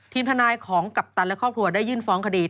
ทีมทนายของกัปตันและครอบครัวได้ยื่นฟ้องคดี